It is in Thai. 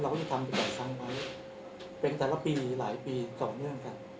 เราก็จะทำอยู่ต่อครั้งไหมเป็นแต่ละปีหรือหลายปีต่อเนื่องครับ